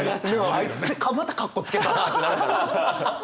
あいつまたかっこつけたなってなるから。